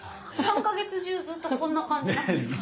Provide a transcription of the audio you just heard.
３か月中ずっとこんな感じなんですか？